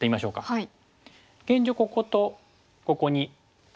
はい。